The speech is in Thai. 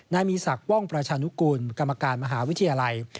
นายมีศักดิ์ป้องประชานุกูลกรรมการมหาวิทยาลัย